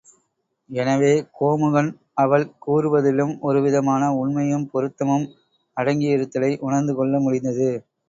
எனவே கோமுகன் அவள் கூறுவதிலும் ஒரு விதமான உண்மையும் பொருத்தமும் அடங்கியிருத்தலை உணர்ந்து கொள்ள முடிந்தது.